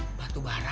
eh batu bara